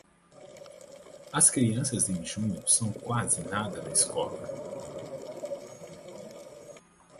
As crianças em junho são quase nada na escola.